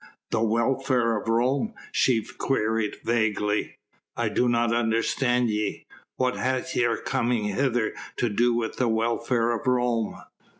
"The welfare of Rome?" she queried vaguely. "I do not understand ye! What hath your coming hither to do with the welfare of Rome?"